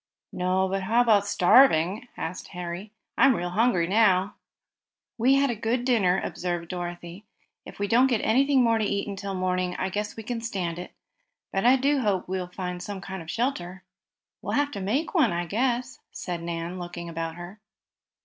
"No, but how about starving?" asked Harry. "I'm real hungry now." "We had a good dinner," observed Dorothy. "If we don't get anything more to eat until morning I guess we can stand it. But I do hope we can find some sort of shelter." "We'll have to make one, I guess," said Nan, looking about her.